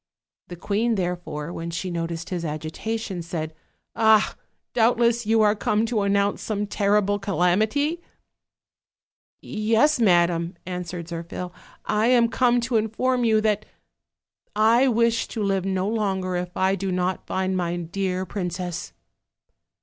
The queen, therefore, when she noticed his agitation, said: "Ah! doubtless you are come to announce some terrible calamity?" "Yes, madam," answered Zirphil, "I am come to in form you that I wish to live no longer if I do not find my dear princess."